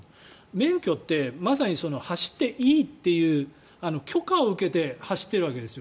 免許って、走っていいという許可を受けて走っているわけですよ。